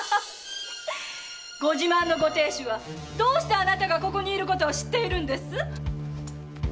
ご自慢のご亭主はどうしてあなたがここに居ることを知っているんです？